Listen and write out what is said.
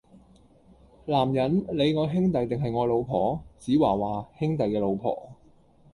男人，你愛兄弟定系愛老婆?子華話：兄弟嘅老婆!